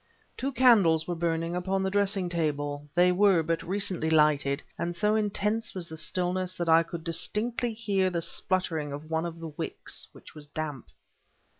Two candles were burning upon the dressing table; they were but recently lighted, and so intense was the stillness that I could distinctly hear the spluttering of one of the wicks, which was damp.